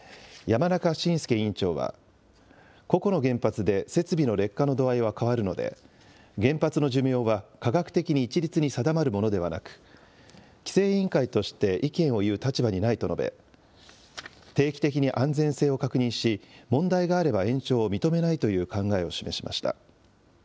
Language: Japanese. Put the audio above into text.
これを踏まえて、山中伸介委員長は、個々の原発で設備の劣化の度合いは変わるので、原発の寿命は科学的に一律に定まるものではなく、規制委員会として意見を言う立場にないと述べ、定期的に安全性を確認し、問題があれば延長を認めないという考えを示しました。